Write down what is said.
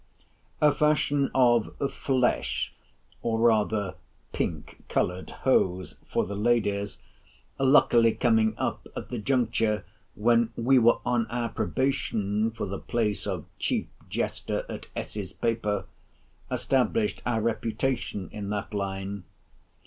A fashion of flesh, or rather pink coloured hose for the ladies, luckily coming up at the juncture, when we were on our probation for the place of Chief Jester to S.'s Paper, established our reputation in that line.